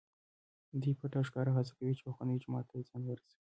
دوی پټ او ښکاره هڅه کوي چې پخواني جومات ته ځان ورسوي.